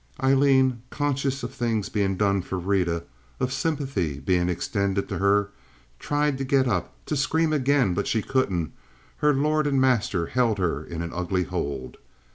Aileen, conscious of things being done for Rita, of sympathy being extended to her, tried to get up, to scream again; but she couldn't; her lord and master held her in an ugly hold.